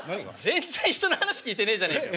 全然人の話聞いてねえじゃねえかよ。